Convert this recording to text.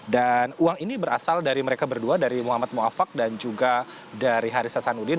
dan uang ini berasal dari mereka berdua dari muhammad mu'affaq dan juga dari haris sasanudin